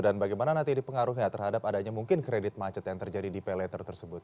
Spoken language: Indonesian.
dan bagaimana nanti ini pengaruhnya terhadap adanya mungkin kredit macet yang terjadi di pay later tersebut